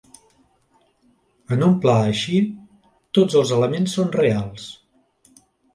En un pla així, tots els elements són reals.